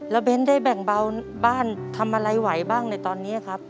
แล้วเบ้นได้แบ่งเบาบ้านทำอะไรไหวบ้างในตอนนี้ครับ